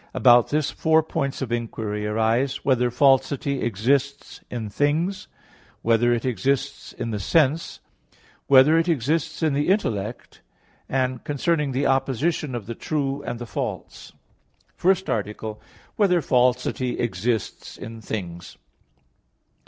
About this four points of inquiry arise: (1) Whether falsity exists in things? (2) Whether it exists in the sense? (3) Whether it exists in the intellect? (4) Concerning the opposition of the true and the false. _______________________ FIRST ARTICLE [I, Q. 17, Art. 1] Whether Falsity Exists in Things?